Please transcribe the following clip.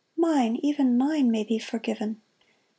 Mine, even mine, may be forgiven!"